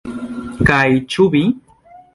Kaj ĉu vi?